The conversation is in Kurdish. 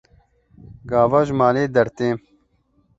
Gava ji malê dertêm.